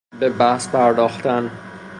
به بحث پرداختن